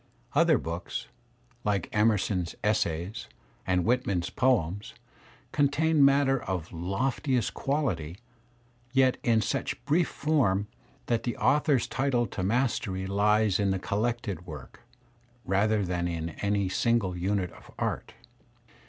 Other books, like Emerson's "Essays" and Whitman's poems, contain matter of loftiest quality yet in such brief form that the author's title to mastery lies in the collected work, rather than in any single unit of art.